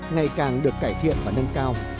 ngày càng được cải thiện và nâng cao